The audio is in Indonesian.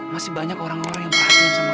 masih banyak orang orang yang perhatian sama kamu